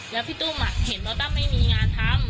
แล้วพี่ตุ้มเห็นว่าตั้มไม่มีงานทำ